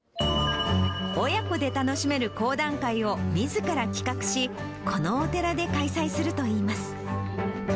親子で楽しめる講談会をみずから企画し、このお寺で開催するといいます。